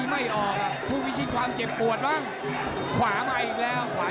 ไม่เดินโดนแข้งหรือเปล่า